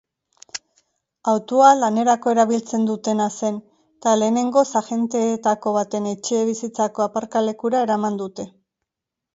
Autoa lanerako erabiltzen dutena zen eta lehenengoz agenteetako baten etxebizitzako aparkalekura eraman dute.